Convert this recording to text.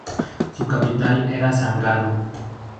Su capital era San Galo.